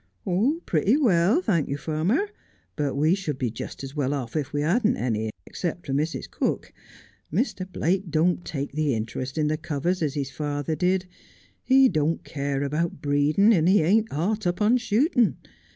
' Pretty well, thank you, f urmer, but we should be just as well off if we hadn't any, except for Mrs. Cook. Mr. Blake don't take the interest in the covers as his father did. He don't care about breedin', and he ain't hot upon shootin'.